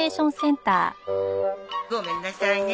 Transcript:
ごめんなさいね。